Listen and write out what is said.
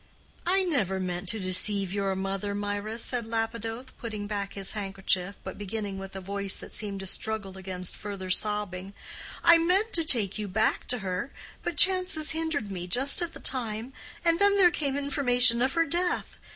"I never meant to deceive your mother, Mirah," said Lapidoth, putting back his handkerchief, but beginning with a voice that seemed to struggle against further sobbing. "I meant to take you back to her, but chances hindered me just at the time, and then there came information of her death.